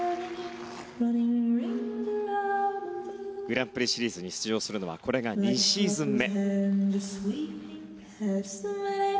グランプリシリーズに出場するのはこれが２シーズン目。